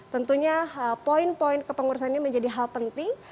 tentunya poin poin kepengurusan ini menjadi hal penting